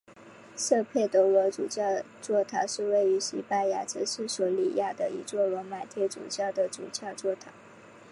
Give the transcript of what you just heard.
圣佩德罗主教座堂是位于西班牙城市索里亚的一座罗马天主教的主教座堂。